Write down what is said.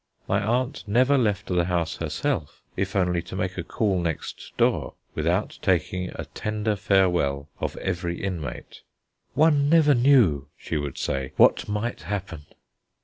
My aunt never left the house herself, if only to make a call next door, without taking a tender farewell of every inmate. One never knew, she would say, what might happen.